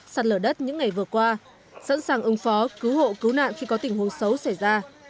sạt lở đất những ngày vừa qua sẵn sàng ứng phó cứu hộ cứu nạn khi có tình huống xấu xảy ra